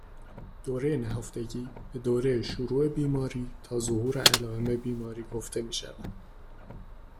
دوره نهفتگی به دوره شروع بیماری تا ظهور علایم بیماری گفته میشود